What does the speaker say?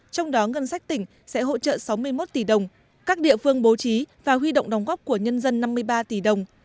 trong đó ngân sách tỉnh sẽ hỗ trợ sáu mươi một tỷ đồng các địa phương bố trí và huy động đóng góp của nhân dân năm mươi ba tỷ đồng